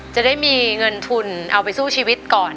จะได้มีเงินทุนเอาไปสู้ชีวิตก่อน